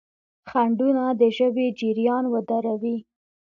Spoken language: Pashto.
خنډونه د ژبې جریان ودروي.